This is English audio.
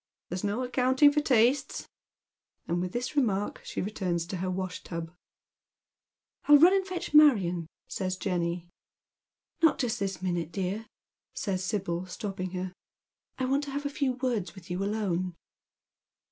"There's no accounting for tastes ;" and with this remark she returns to her wash tub. " I'll run and fetch Marion," eays Jenny. "Not just this minute, dear," says Sibyl, stopping her. "I want to have a few words with you alone."